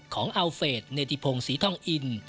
ของอัลเฟสเนอร์ทิพงศ์ศรีท่องอิน